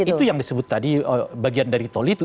itu yang disebut tadi bagian dari tol itu